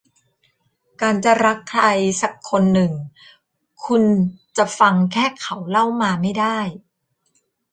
การจะรักใครสักคนหนึ่งคุณจะฟังแค่เขาเล่ามาไม่ได้